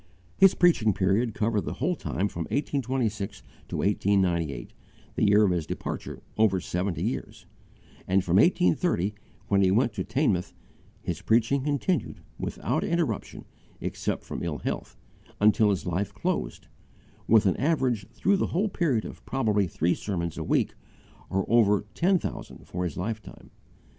His preaching period covered the whole time from 1826 to 1898, the year of his departure, over seventy years; and from 1830, when he went to Teignmouth, his preaching continued, without interruption except from ill health, until his life closed, with an average through the whole period of probably three sermons a week, or over ten thousand for his lifetime.